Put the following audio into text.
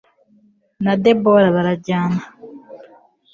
na debora barajyana